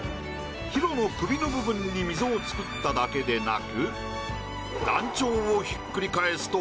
ＨＩＲＯの首の部分に溝を作っただけでなく。